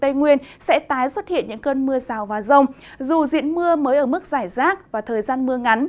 khu vực tây nguyên sẽ tái xuất hiện những cơn mưa rào và rông dù diễn mưa mới ở mức giải rác và thời gian mưa ngắn